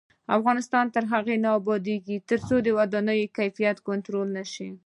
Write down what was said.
افغانستان تر هغو نه ابادیږي، ترڅو د ودانیو کیفیت کنټرول نشي.